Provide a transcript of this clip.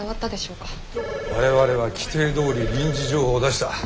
我々は規定どおり臨時情報を出した。